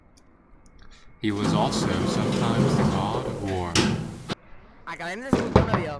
He was also sometimes the god of war.